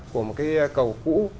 của một cái cầu cũ